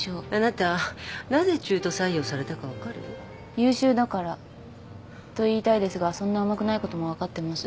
優秀だから。と言いたいですがそんな甘くないことも分かってます。